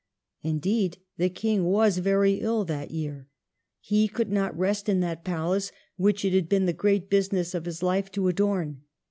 ' Indeed, the King was very ill that year. He could not rest in that palace which it had been the great business of his life to adorn.